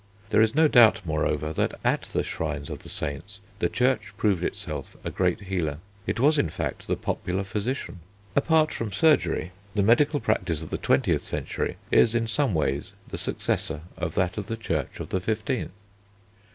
There is no doubt, moreover, that at the shrines of the saints the Church proved itself a great healer. It was in fact the popular physician. Apart from surgery, the medical practice of the twentieth century is in some ways the successor of that of the Church of the fifteenth.